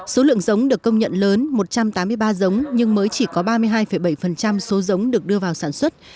số lượng giống được công nhận lớn một trăm tám mươi ba giống nhưng mới chỉ có ba mươi hai bảy số giống được đưa vào sản xuất